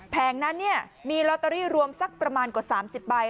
แผงนั้นมีลอตเตอรี่รวมสักประมาณกว่า๓๐ใบ